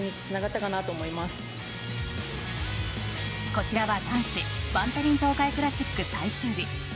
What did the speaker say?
こちらは男子バンテリン東海クラシック最終日。